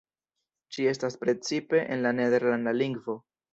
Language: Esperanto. Ĝi estas precipe en la nederlanda lingvo.